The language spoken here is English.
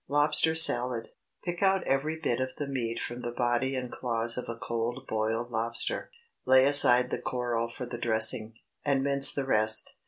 LOBSTER SALAD. ✠ Pick out every bit of the meat from the body and claws of a cold boiled lobster. Lay aside the coral for the dressing, and mince the rest.